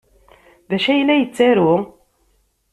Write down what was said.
D acu ay la yettaru?